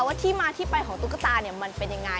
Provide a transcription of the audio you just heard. ว่าที่มาที่ไปของตุ๊กตามันเป็นอย่างไร